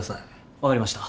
分かりました。